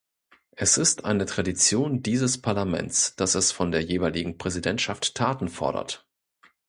Es ist eine Tradition dieses Parlaments, dass es von der jeweiligen Präsidentschaft Taten fordert.